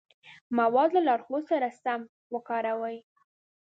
مواد له لارښود سره سم وکاروئ.